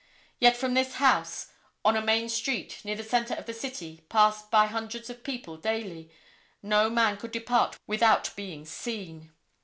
Yet from this house, on a main street, near the centre of the city, passed by hundreds of people daily, no man could depart without being seen.